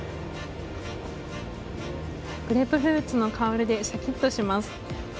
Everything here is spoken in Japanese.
グレープフルーツの香りでシャキッとします。